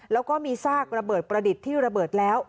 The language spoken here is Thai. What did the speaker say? แล้วก็มีซากระเบิดประดิษฐ์ที่ระเบิดแล้ว